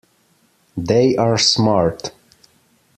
They are smart.